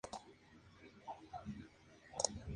Había un santuario de Asclepio y otro de Aquiles.